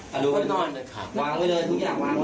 พ่อนอนค่ะวางไว้เลยทุกอย่างวางไว้